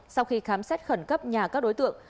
sau khi khám xét khẩn cấp nhà các đối tượng